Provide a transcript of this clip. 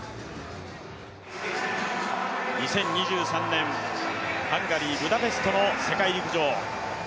２０２３年、ハンガリー・ブダペストの世界陸上。